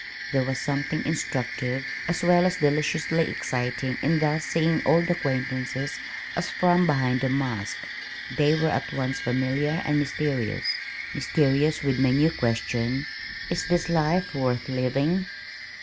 There was something instructive as well as deliciously exciting in thus seeing old acquaintances as from behind a mask. They were at once familiar and mysterious mysterious with my new question, "Is this life worth living?"